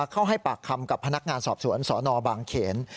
เข้าให้ปากคำกับพนักงานสอบสวนสนบางเขน